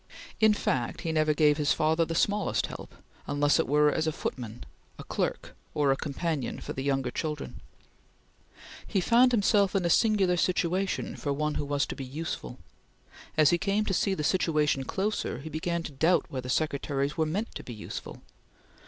In fact he never gave his father the smallest help, unless it were as a footman, clerk, or a companion for the younger children. He found himself in a singular situation for one who was to be useful. As he came to see the situation closer, he began to doubt whether secretaries were meant to be useful.